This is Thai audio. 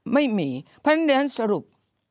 ไม่มีเพราะฉะนั้นสรุป